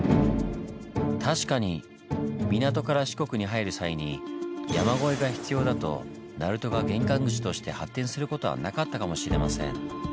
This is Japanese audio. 確かに港から四国に入る際に山越えが必要だと鳴門が玄関口として発展することはなかったかもしれません。